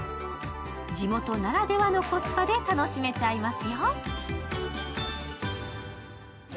地元ならではのコスパで楽しめちゃいますよ。